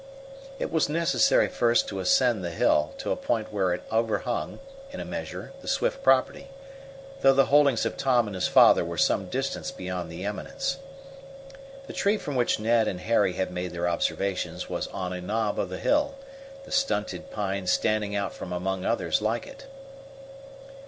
It was necessary first to ascend the hill to a point where it overhung, in a measure, the Swift property, though the holdings of Tom and his father were some distance beyond the eminence. The tree from which Ned and Harry had made their observations was on a knob of the hill, the stunted pine standing out from among others like it.